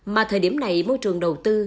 mà thời điểm này môi trường đầu tư